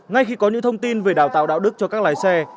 ngay khi có những thông tin về đào tạo đạo đức cho các lái xe